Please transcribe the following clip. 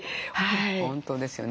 本当ですよね。